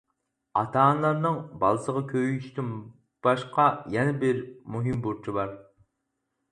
ئاتا-ئانىلارنىڭ بالىسىغا كۆيۈشتىن باشقا، يەنە بىر مۇھىم بۇرچى بار.